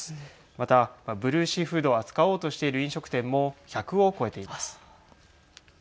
また、ブルーシーフードを扱おうとしている飲食店も１００を超えています。